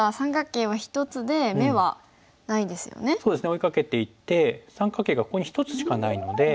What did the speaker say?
追いかけていって三角形がここに１つしかないので。